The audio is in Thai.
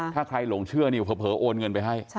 ถ้าใครหลงเชื่อนี่เผลอโอนเงินไปให้